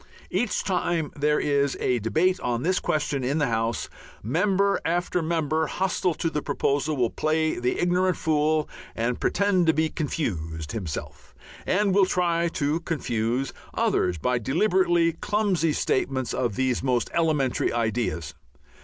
Each time there is a debate on this question in the House, member after member hostile to the proposal will play the ignorant fool and pretend to be confused himself, and will try to confuse others, by deliberately clumsy statements of these most elementary ideas.